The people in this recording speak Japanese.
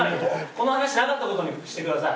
この話なかった事にしてください。